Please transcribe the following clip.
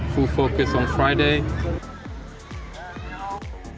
jadi fokus penuh pada hari selamat